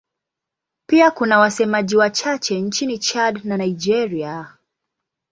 Pia kuna wasemaji wachache nchini Chad na Nigeria.